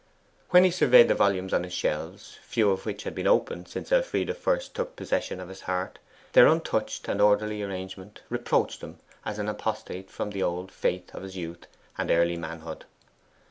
When he surveyed the volumes on his shelves few of which had been opened since Elfride first took possession of his heart their untouched and orderly arrangement reproached him as an apostate from the old faith of his youth and early manhood.